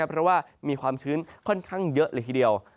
เพราะว่ามีความชื้นค่อนข้างเยอะเลยทีเดียว